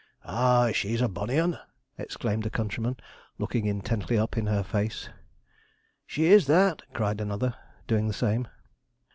'A', she's a bonny un!' exclaimed a countryman, looking intently up in her face. 'She is that!' cried another, doing the same.